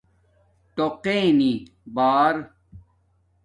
ٹݸ قنی بار